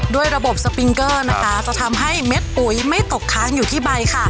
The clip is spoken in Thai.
ด้วยระบบสปิงเกอร์นะคะจะทำให้เม็ดปุ๋ยไม่ตกค้างอยู่ที่ใบค่ะ